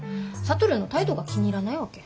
智の態度が気に入らないわけ。